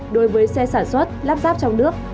đối với xe sản xuất lắp ráp trong nước